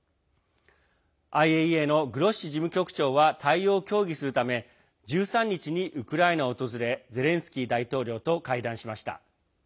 ＩＡＥＡのグロッシ事務局長は対応を協議するため１３日にウクライナを訪れゼレンスキー大統領と会談しました。